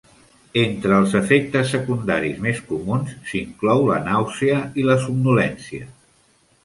Entre els efectes secundaris més comuns s'inclou la nàusea i la somnolència.